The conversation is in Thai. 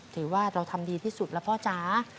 ถือว่าเราทำดีที่สุดแล้วพ่อจ๋า